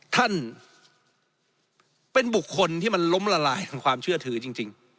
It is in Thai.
ท่านเป็นบุคคลที่มันล้มละลายทางความเชื่อถือจริง